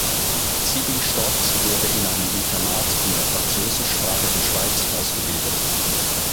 Sybill Storz wurde in einem Internat in der französischsprachigen Schweiz ausgebildet.